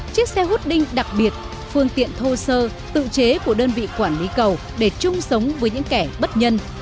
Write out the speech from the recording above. chiếc xe hút đinh đặc biệt phương tiện thô sơ tự chế của đơn vị quản lý cầu để chung sống với những kẻ bất nhân